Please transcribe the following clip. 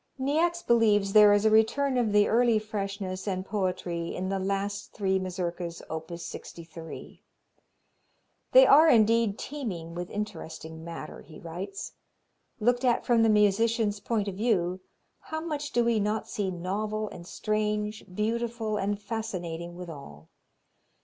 Niecks believes there is a return of the early freshness and poetry in the last three Mazurkas, op. 63. "They are, indeed, teeming with interesting matter," he writes. "Looked at from the musician's point of view, how much do we not see novel and strange, beautiful and fascinating withal?